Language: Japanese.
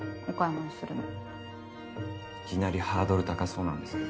いきなりハードル高そうなんですけど。